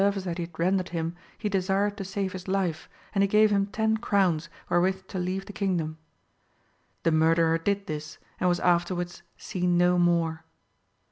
Nevertheless, on account of the service that he had rendered him, he desired to save his life, and he gave him ten crowns wherewith to leave the kingdom. The murderer did this, and was afterwards seen no more.